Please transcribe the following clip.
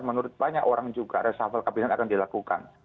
menurut banyak orang juga reshuffle kabinet akan dilakukan